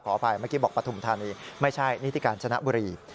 อภัยเมื่อกี้บอกปฐุมธานีไม่ใช่นิติกาญจนบุรี